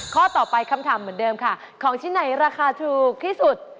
ข้อต่อไปคำถามเหมือนเดิมค่ะของชิ้นไหนราคาถูกที่สุด